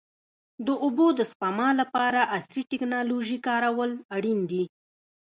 د اوبو د سپما لپاره عصري ټکنالوژي کارول اړین دي.